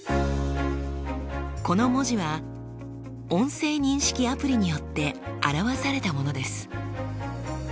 この文字は音声認識アプリによってあらわされたものです。